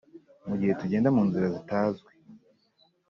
mugihe tugenda munzira zitazwi